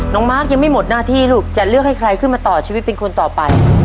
มาร์คยังไม่หมดหน้าที่ลูกจะเลือกให้ใครขึ้นมาต่อชีวิตเป็นคนต่อไป